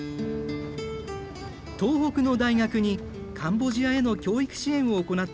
東北の大学にカンボジアへの教育支援を行っているグループがある。